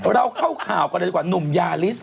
เราเข้าข่าวกันเลยดีกว่าหนุ่มยาลิส